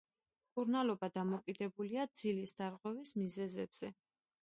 მკურნალობა დამოკიდებულია ძილის დარღვევის მიზეზებზე.